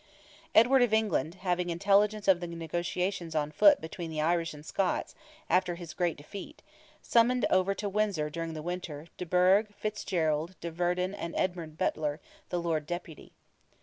Edward of England, having intelligence of the negotiations on foot between the Irish and Scots, after his great defeat, summoned over to Windsor during the winter, de Burgh, Fitzgerald, de Verdon, and Edmund Butler, the Lord Deputy.